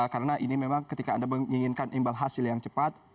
karena ini memang ketika anda menginginkan imbal hasil yang cepat